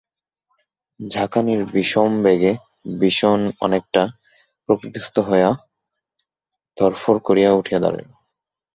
ঝাঁকানির বিষম বেগে বিষন অনেকটা প্রকৃতিস্থ হইয়া ধড়ফড় করিয়া উঠিয়া দাঁড়াইল।